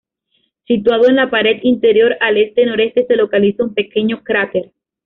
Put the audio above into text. Situado en la pared interior al este-noreste se localiza un pequeño cráter.